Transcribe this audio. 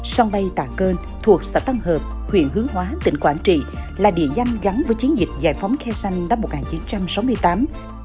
sông bay tà cơn thuộc xã tân hợp huyện hứa hóa tỉnh quảng trị là địa danh gắn với chiến dịch giải phóng khe sanh năm một nghìn chín trăm sáu mươi tám